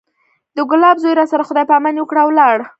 د ګلاب زوى راسره خداى پاماني وکړه او ولاړ.